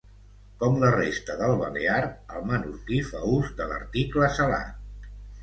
Com la resta del balear, el menorquí fa ús de l'article salat.